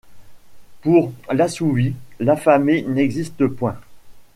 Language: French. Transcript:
Pour l’assouvi, l’affamé n’existe point.